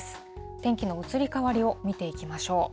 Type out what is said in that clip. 天気の移り変わりを見ていきましょう。